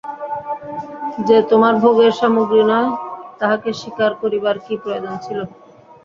যে তোমার ভোগের সামগ্রী নয়, তাহাকে শিকার করিবার কী প্রয়োজন ছিল।